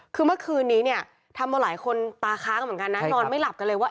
คือเมื่อคืนนี้เนี่ยทำเอาหลายคนตาค้างเหมือนกันนะนอนไม่หลับกันเลยว่า